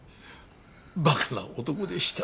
バカな男でした。